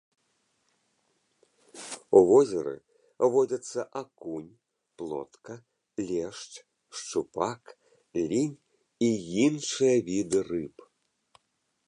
У возеры водзяцца акунь, плотка, лешч, шчупак, лінь і іншыя віды рыб.